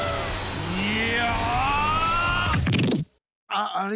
あああれ？